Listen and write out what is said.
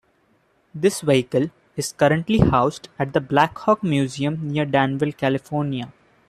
This vehicle is currently housed at the Blackhawk Museum near Danville, California.